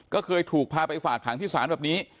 ก็เคยถูกพาไปฝากขังที่ศาลแบบนี้